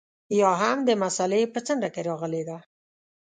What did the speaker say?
یا هم د مسألې په څنډه کې راغلې ده.